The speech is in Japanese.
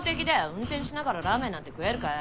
運転しながらラーメンなんて食えるかよ。